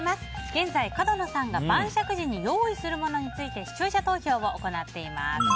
現在、角野さんが晩酌時に用意するものについて視聴者投票を行っています。